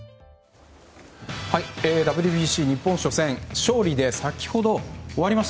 ＷＢＣ日本初戦勝利で先ほど終わりました。